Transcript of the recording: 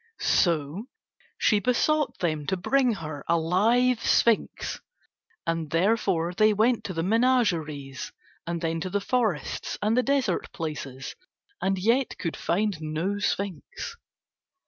So she besought them to bring her a live sphinx; and therefore they went to the menageries, and then to the forests and the desert places, and yet could find no sphinx.